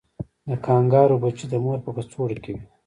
د کانګارو بچی د مور په کڅوړه کې وي